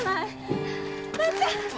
万ちゃん！